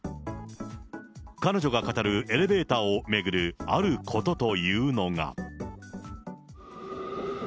彼女が語るエレベーターを巡るあることというのが。